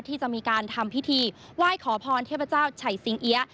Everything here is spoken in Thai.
ที่จะมีการทำพิธีว่ายขอพรเทพเจ้าฉัยสิงเหี้ย